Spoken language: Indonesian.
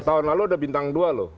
tahun lalu ada bintang dua loh